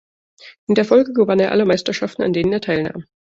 In der Folge gewann er alle Meisterschaften, an denen er teilnahm.